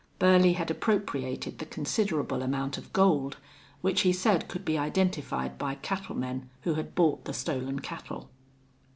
Burley had appropriated the considerable amount of gold, which he said could be identified by cattlemen who had bought the stolen cattle.